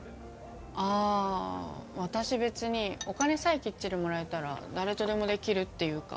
ああ私別にお金さえきっちりもらえたら誰とでもできるっていうか。